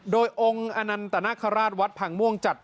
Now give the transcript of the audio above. โดยองค์อนันตนาคาราชวัดพังม่วงจัด